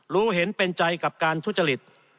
รู้เห็นเป็นใจกับการทุจริต